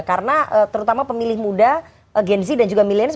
karena terutama pemilih muda gen z dan juga milenial